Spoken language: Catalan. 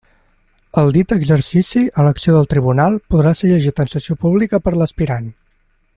El dit exercici, a elecció del tribunal, podrà ser llegit en sessió pública per l'aspirant.